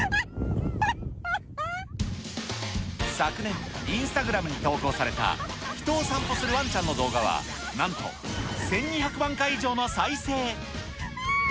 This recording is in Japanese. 昨年、インスタグラムに投稿された、人を散歩するワンちゃんの動画は、なんと１２００万回以上の再生。